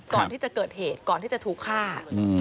ก่อนที่จะเกิดเหตุก่อนที่จะถูกฆ่า